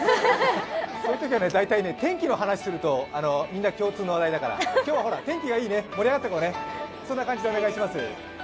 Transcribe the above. そういうときはね、大体ね天気を話をするとみんな共通の話題だから、今日は天気がいいね、盛り上がっていこうね、そんな感じでお願いします。